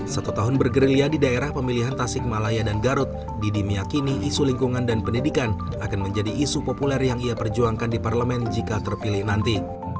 satu tahun bergerilya di daerah pemilihan tasik malaya dan garut didi meyakini isu lingkungan dan pendidikan akan menjadi isu populer yang ia perjuangkan di parlemen jika terpilih nanti